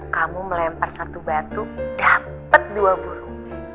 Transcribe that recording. kamu melempar satu batu dapat dua burung